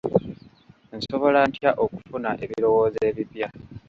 Nsobola ntya okufuna ebirowoozo ebipya?